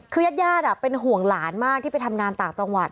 คือญาติเป็นห่วงหลานมากที่ไปทำงานต่างจังหวัด